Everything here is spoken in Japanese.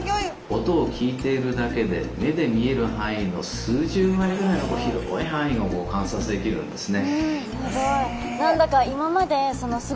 音を聞いているだけで目で見える範囲の数十倍ぐらいの広い範囲を観察できるんですね。